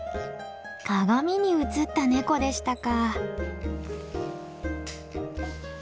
鏡に映ったネコでしたか。